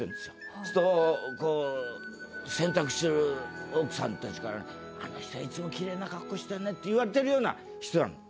そうするとこう洗濯してる奥さんたちから「あの人はいつもキレイな格好してるね」って言われてるような人なの。